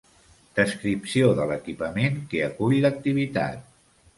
Descripció de l'equipament que acull l'activitat.